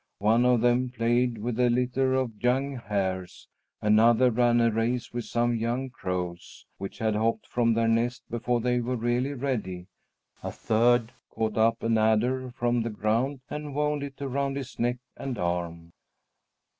One of them played with a litter of young hares; another ran a race with some young crows, which had hopped from their nest before they were really ready; a third caught up an adder from the ground and wound it around his neck and arm.